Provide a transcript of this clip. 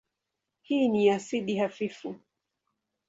Hii ni asidi hafifu.